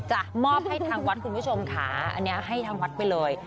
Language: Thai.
มอบให้ทางวัดคุณผู้ชมค่ะอันนี้ให้ทางวัดไปเลย